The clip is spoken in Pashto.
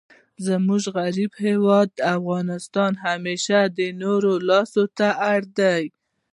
زموږ غریب هیواد افغانستان همېشه د نورو لاس ته اړ دئ.